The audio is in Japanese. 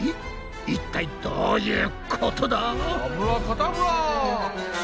一体どういうことだ？